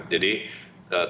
jadi kita kembali